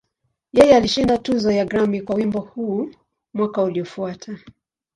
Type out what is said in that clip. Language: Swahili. Yeye alishinda tuzo ya Grammy kwa wimbo huu mwaka uliofuata.